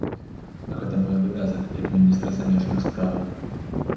Гэта мой абавязак, як міністра замежных справаў.